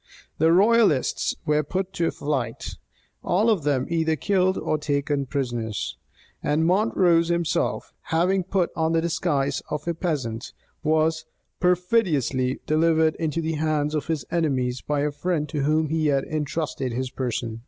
The royalists were put to flight; all of them either killed or taken prisoners; and Montrose himself, having put on the disguise of a peasant, was perfidiously delivered into the hands of his enemies by a friend to whom he had intrusted his person.